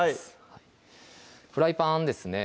はいフライパンですね